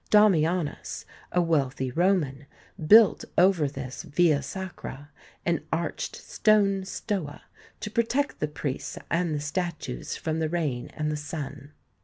Damianus, a wealthy Roman, built over this Via Sacra an arched stone stoa to protect the priests and the statues from the rain and the sun.